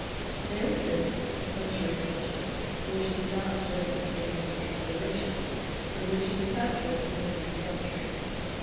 There exists a sensory culture, which is not generally taken into consideration, but which is a factor in esthesiometry.